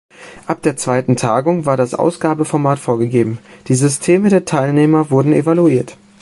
Ab der zweiten Tagung war das Ausgabeformat vorgegeben, die Systeme der Teilnehmer wurden evaluiert.